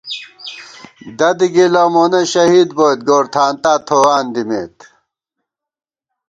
دَد گِلہ مونہ شہید بوئیت، گورتھانتا تھووان دِمېت